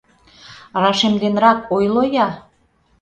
— Рашемденрак ойло-я!